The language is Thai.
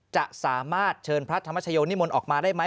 จะสามารถเชิญพระธรรมชโยนิมนต์ออกมาได้ไหม